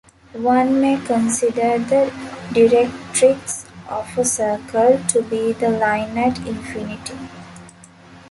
One may consider the directrix of a circle to be the line at infinity.